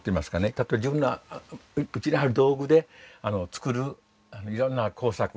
例えば自分のうちにある道具で作るいろんな工作。